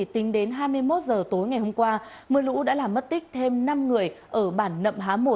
tính đến hai mươi một h tối ngày hôm qua mưa lũ đã làm mất tích thêm năm người ở bản nậm há một